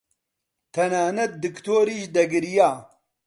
تەنانەت دکتۆریش دەگریا.